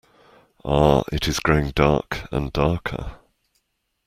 Ah, it is growing dark and darker.